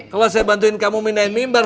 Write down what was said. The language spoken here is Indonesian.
kalau saya bantuin kamu minain mimbar